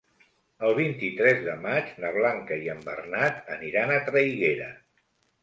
El vint-i-tres de maig na Blanca i en Bernat aniran a Traiguera.